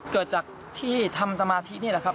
เกิดจากที่ทำสมาธินี่แหละครับ